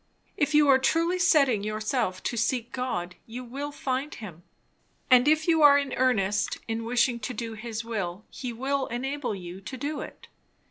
If you are truly setting yourself to seek God, you will find him; and if you are in earnest in wishing to do his will, he will enable you to do it.